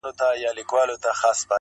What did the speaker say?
ماته مي شناختو د شهید پلټن کیسه کړې ده!